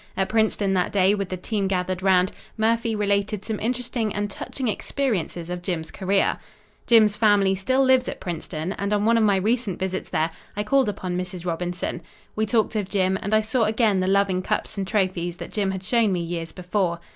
At Princeton that day with the team gathered around, Murphy related some interesting and touching experiences of Jim's career. Jim's family still lives at Princeton, and on one of my recent visits there, I called upon Mrs. Robinson. We talked of Jim, and I saw again the loving cups and trophies that Jim had shown me years before.